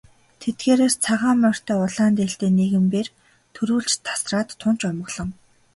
Тэдгээрээс цагаан морьтой улаан дээлтэй нэгэн бээр түрүүлж тасраад тун ч омголон.